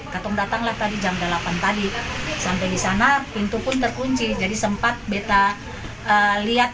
petugas menemukan seorang anak berusia sebelas tahun di dalam kamar indekos sekitar lima bulan